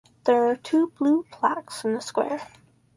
There are two blue plaques in the square.